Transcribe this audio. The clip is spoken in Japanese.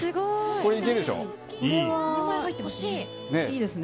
これいいでしょ。